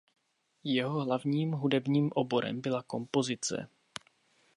Jeho hlavním hudebním oborem byla kompozice.